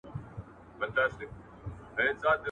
زه مخکي د کتابتون کتابونه لوستي وو.